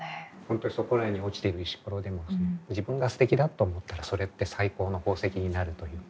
本当そこらに落ちてる石ころでも自分がすてきだと思ったらそれって最高の宝石になるという。